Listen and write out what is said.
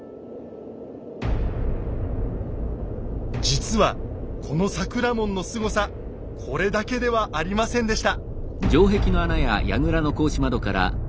実はこの桜門のすごさこれだけではありませんでした。